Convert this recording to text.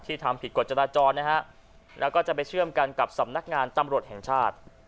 ทำผิดกฎจราจรนะฮะแล้วก็จะไปเชื่อมกันกับสำนักงานตำรวจแห่งชาติ